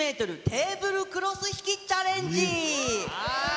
テーブルクロス引きチャレンジ。